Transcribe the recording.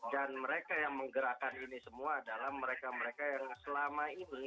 dan mereka yang menggerakkan ini semua adalah mereka mereka yang selama ini